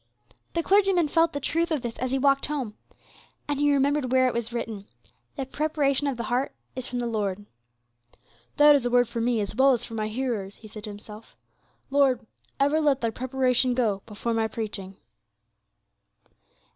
The clergyman felt the truth of this as he walked home. And he remembered where it was written, "The preparation of the heart is from the Lord." "That is a word for me, as well as for my hearers," he said to himself. "Lord, ever let Thy preparation go before my preaching."